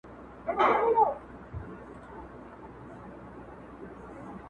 نجلۍ يوازې پرېښودل کيږي او درد لا هم شته،